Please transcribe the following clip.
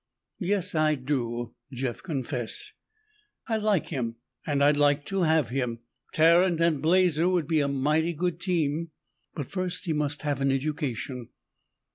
"Yes I do," Jeff confessed. "I like him and I'd like to have him; Tarrant and Blazer would be a mighty good team. But first he must have an education."